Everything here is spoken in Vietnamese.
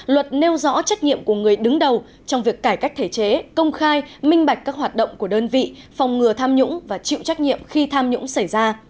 luật nêu rõ trách nhiệm của người đứng đầu trong việc cải cách thể chế công khai minh bạch các hoạt động của đơn vị phòng ngừa tham nhũng và chịu trách nhiệm khi tham nhũng xảy ra